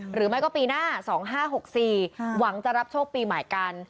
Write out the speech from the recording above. หรือไม่ก็ปีหน้า๒๕๖๔หวังจะรับโชคปีใหม่กัน